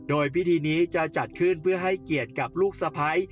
โดยพิธีนี้จะจัดขึ้นเพื่อให้เกียรติกับลูกสะพ้าย